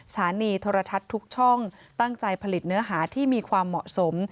สถานีโทรทัศน์ทุกช่องตั้งใจผลิตเนื้อหาที่มีความเหมาะสม